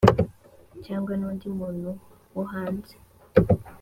cyangwa n’undi muntu wo hanze